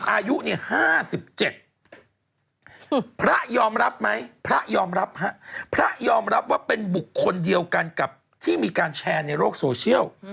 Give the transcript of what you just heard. อายุ๕๗พระยอมรับไหมพระยอมรับว่าเป็นบุคคลเดียวกันกับที่มีการแชร์ในโลกโซเชียล